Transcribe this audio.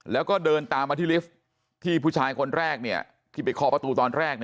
แล้วก็เดินตามมาที่ลิฟท์ที่ผู้ชายคนแรกที่ไปเคาะประตูตอนแรก